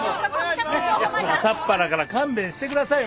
朝っぱらから勘弁してくださいよ。